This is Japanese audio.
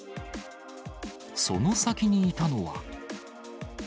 その先にいたのは。